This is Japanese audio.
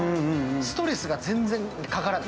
ストレスが全然かからない。